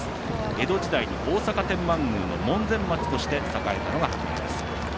江戸時代に大阪天満宮の門前町として栄えたのが始まりです。